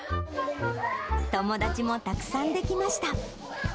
友達もたくさんできました。